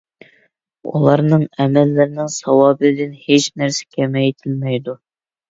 ئۇلارنىڭ ئەمەللىرىنىڭ ساۋابىدىن ھېچ نەرسە كېمەيتىلمەيدۇ.